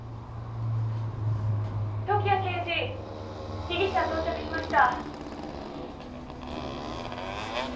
「時矢刑事」「被疑者到着しました」